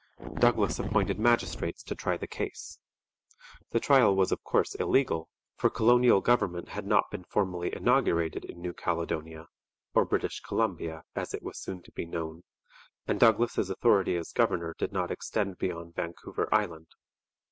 Douglas appointed magistrates to try the case. The trial was of course illegal, for colonial government had not been formally inaugurated in New Caledonia or British Columbia, as it was soon to be known, and Douglas's authority as governor did not extend beyond Vancouver Island.